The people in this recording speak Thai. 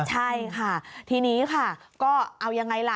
ใช่ค่ะทีนี้ค่ะก็เอายังไงล่ะ